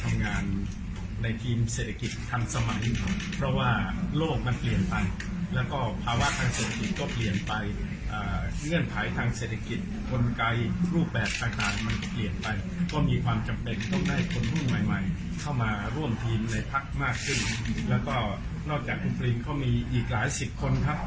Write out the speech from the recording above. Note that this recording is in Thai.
ในภักร์มากขึ้นแล้วก็นอกจากครูปรีงเขามีอีกหลายสิบคนทัพ